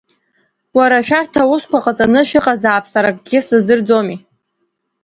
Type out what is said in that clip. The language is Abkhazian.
Уара шәарҭ аусқәа ҟаҵаны шәыҟазаап сара акгьы сыздырӡомеи!